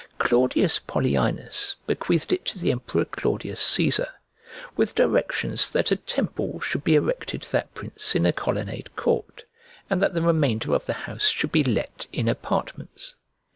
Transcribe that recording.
Claudius Polyaenus bequeathed it to the emperor Claudius Cæsar, with directions that a temple should be erected to that prince in a colonnade court, and that the remainder of the house should be let in apartments.